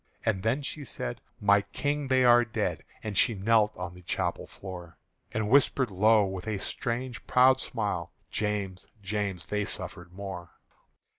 And then she said, "My King, they are dead!" And she knelt on the chapel floor, And whispered low with a strange proud smile, "James, James, they suffered more!"